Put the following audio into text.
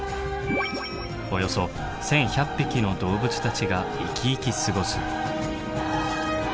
およそ１，１００匹の動物たちがイキイキ過ごす！